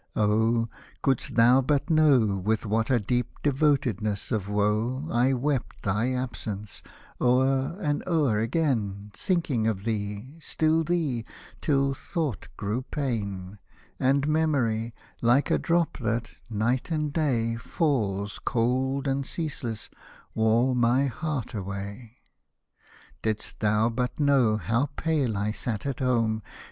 oh ! couldst thou but know With what a deep devotedness of woe I wept thy absence — o'er and o'er again Thinking of thee, still thee, till thought grew pain, And memory, like a drop that, night and day, Falls cold and ceaseless, wore my heart away. Didst thou but know how pale I sat at home.